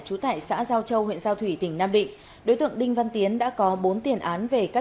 trú tại xã giao châu huyện giao thủy tỉnh nam định đối tượng đinh văn tiến đã có bốn tiền án về các